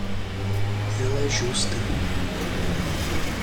Ela é justa.